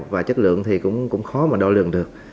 và chất lượng thì cũng khó mà đo lường được